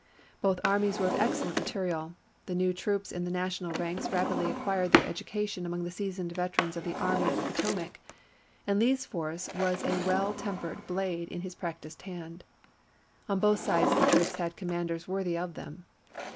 Both armies were of excellent material ; the new troops in the National ranks rapidly acquired their education among the seasoned veterans of the Army of the Potomac, and Lee's force was like a well tempered blade in his practiced hand. On both sides the troops had commanders worthy of them.